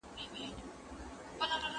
که انټرنيټ بند وي زه کار نشم کولای.